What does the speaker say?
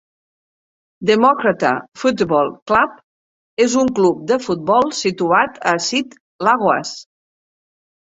Democrata Futebol Clube és un club de futbol situat a Sete Lagoas.